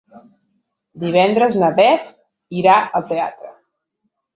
Divendres na Beth irà al teatre.